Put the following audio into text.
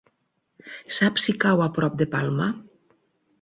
Saps si cau a prop de Palma?